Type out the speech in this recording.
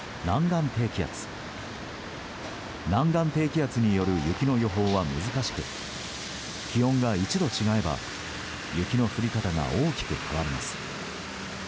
南岸低気圧による雪の予報は難しく気温が１度違えば雪の降り方が大きく変わります。